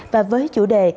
và với chủ đề